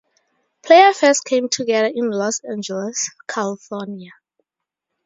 Player first came together in Los Angeles, California.